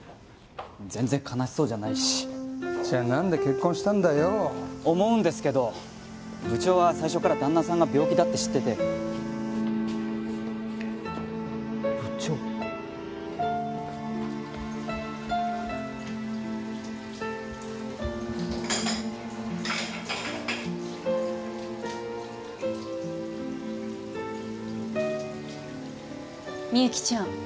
全然悲しそうじゃないしじゃ何で結婚したんだよ思うんですけど部長は最初から旦那さんが病気だって知ってて部長みゆきちゃん